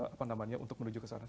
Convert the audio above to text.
apa namanya untuk menuju ke sana